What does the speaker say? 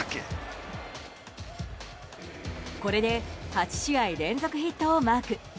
これで８試合連続ヒットをマーク。